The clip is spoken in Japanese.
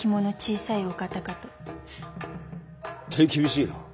手厳しいな。